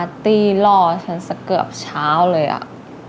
กาทีหล่อฉันก็เกือบเช้าเลยอ่ะ